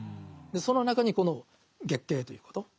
その中にこの月経ということ。